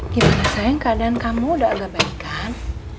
gimana sayang keadaan kamu udah agak baik kan